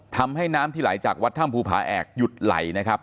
ทำให้น้ำที่ไหลจากวัดถ้ำภูผาแอกหยุดไหลนะครับ